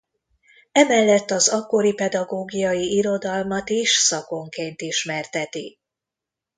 Emellett az akkori pedagógiai irodalmat is szakonként ismerteti.